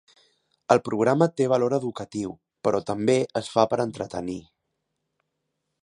El programa té valor educatiu, però també es fa per entretenir.